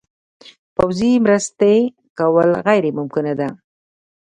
پوځي مرستې کول غیر ممکنه ده.